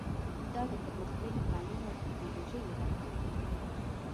دا د پرمختللي تعلیم او ټکنالوژۍ له برکته دی